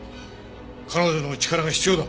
彼女の力が必要だ。